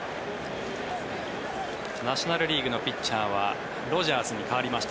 ナショナル・リーグのピッチャーはロジャースに代わりました。